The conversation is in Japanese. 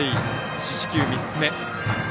四死球３つ目。